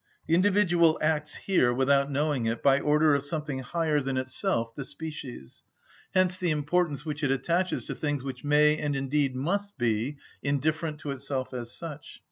The individual acts here, without knowing it, by order of something higher than itself, the species; hence the importance which it attaches to things which may and indeed must be, indifferent to itself as such.